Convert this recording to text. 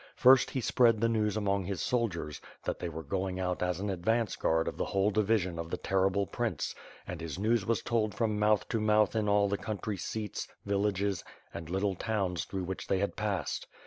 First he spread the news among his soldiers, that they were going out as an advance guard of the whole division of the terrible Prince; and his news was told from mouth to mouth in all the country seats, villages, and little towns through which they had passed.